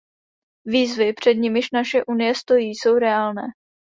Výzvy, před nimiž naše Unie stojí, jsou reálné.